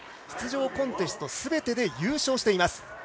出場コンテストすべてで優勝しています。